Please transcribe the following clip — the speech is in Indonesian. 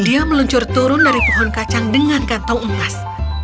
dia meluncur turun dari pohon kacang dengan kantong emas